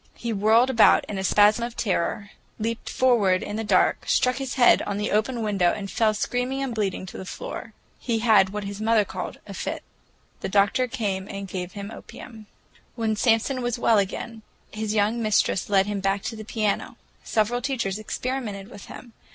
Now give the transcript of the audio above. He whirled about in a spasm of terror, leaped forward in the dark, struck his head on the open window, and fell screaming and bleeding to the floor. He had what his mother called a fit. The doctor came and gave him opium. When Samson was well again, his young mistress led him back to the piano. Several teachers experimented with him.